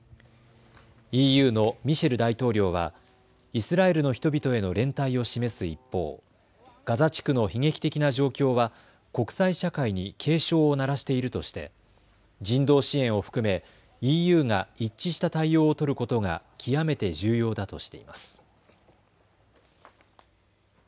ＥＵのミシェル大統領はイスラエルの人々への連帯を示す一方、ガザ地区の悲劇的な状況は国際社会に警鐘を鳴らしているとして人道支援を含めＥＵが一致した対応を取ることが極めて重要だとしています。